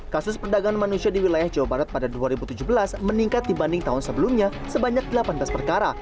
kasus perdagangan manusia di wilayah jawa barat pada dua ribu tujuh belas meningkat dibanding tahun sebelumnya sebanyak delapan belas perkara